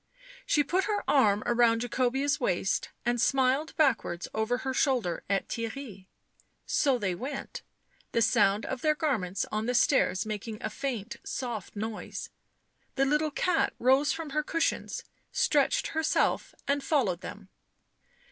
She put her arm round Jacobea' s waist, and smiled backwards over her shoulder at Theirry ; so they went, the sound of their garments on the stairs making a faint soft noise ; the little cat rose from her cushions, stretched herself, and followed them.